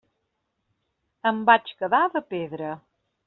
Em vaig quedar de pedra.